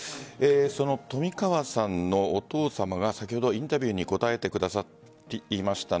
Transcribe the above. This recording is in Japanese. トミカワさんのお父さまが先ほど、インタビューに答えてくださっていました。